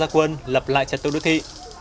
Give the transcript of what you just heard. và các cơ quan lập lại trật tựu đô thị